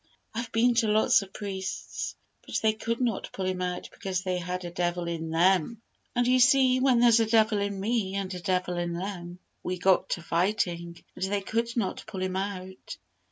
I've been to lots of priests, but they could not pull him out because they had a devil in them; and, you see when there's a devil in me and a devil in them, we got to fighting, and they could not pull him out."